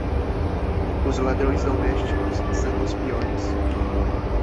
Os ladrões domésticos são os piores.